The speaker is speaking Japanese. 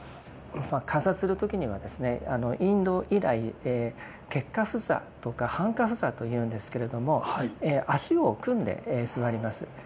観察する時にはですねインド以来結跏趺坐とか半跏趺坐というんですけれども足を組んで座ります。